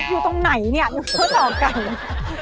อยู่ตรงไหนเนี่ยข้อสอบไก่